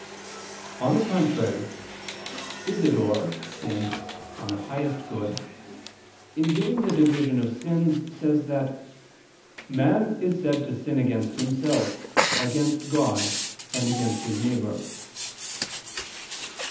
On the contrary, Isidore (De Summo Bono), in giving the division of sins, says that "man is said to sin against himself, against God, and against his neighbor."